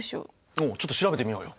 おおちょっと調べてみようよ。